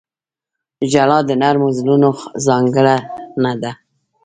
• ژړا د نرمو زړونو ځانګړنه ده.